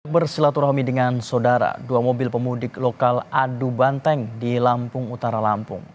bersilaturahmi dengan saudara dua mobil pemudik lokal adu banteng di lampung utara lampung